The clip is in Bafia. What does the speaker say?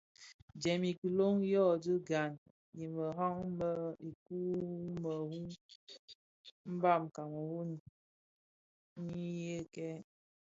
Djèm i kilōň yodhi gaň i merad më ikō wu muu mbam kameru nyi yëkèn.